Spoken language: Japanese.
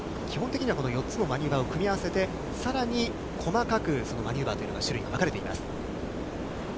基本的にはこの４つのマニューバーを組み合わせて、さらに細かくそのマニューバーという種類、分かれています。